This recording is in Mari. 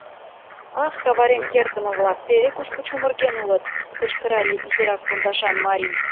— Ах, каварен кертдыме-влак, теве кушко чумырген улыт! — кычкырале изирак пондашан марий.